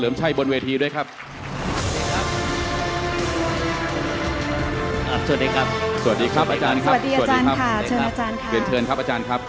คุณเกิร์นเทริญครับอาจารย์ครับ